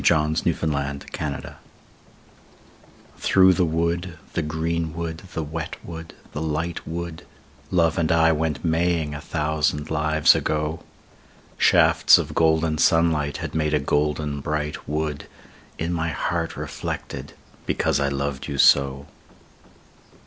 ROSEMARY 51 THROUGH THE WOOD THKOUGH the wood, the green wood, the wet wood, the light wood, Love and I went maying a thousand lives ago ; Shafts of golden sunlight had made a golden bright wood In my heart reflected, because I loved you so.